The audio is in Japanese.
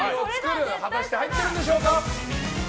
果たして入っているんでしょうか？